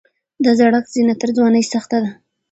د زړښت زینه تر ځوانۍ سخته ده.